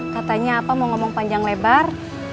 katanya apa mau ngomong panjang lebar